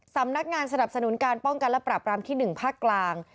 สำนักงานสนับสนุนการป้องกันและปราบรามที่๑ภาคกลาง